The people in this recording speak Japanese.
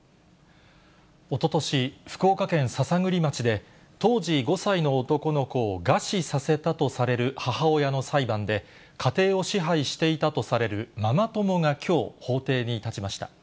おととし、福岡県篠栗町で、当時５歳の男の子を餓死させたとされる母親の裁判で、家庭を支配していたとされるママ友がきょう、法廷に立ちました。